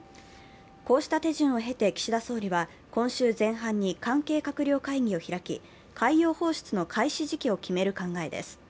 こうした手順を経て岸田総理は、今週前半に関係閣僚会議を開き、海洋放出の開始時期を決める考えです。